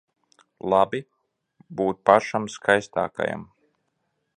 Labi būt pašam skaistākajam.